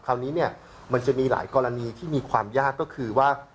คราวนี้เนี่ยมันจะมีหลายกรณีที่มีความยากก็คือว่า